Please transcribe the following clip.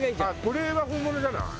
これは本物じゃない？